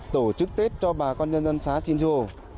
tổ chức tết cho bà con nhân dân xá xin rô